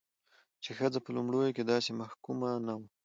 چې ښځه په لومړيو کې داسې محکومه نه وه،